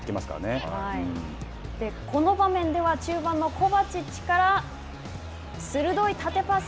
この場面では、中盤のコバチッチから、鋭い縦パス。